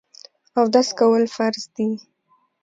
اودس کول فرض دي.